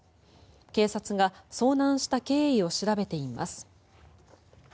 警察が遭難した経緯を調べています。